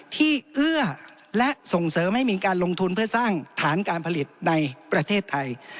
เอื้อและส่งเสริมให้มีการลงทุนเพื่อสร้างฐานการผลิตในประเทศไทย